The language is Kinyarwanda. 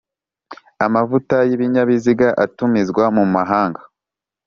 Amavuta y ibinyabiziga atumizwa mu mahanga